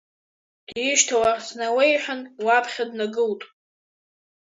Дишьҭаларц налеиҳәан, лаԥхьа днагылт.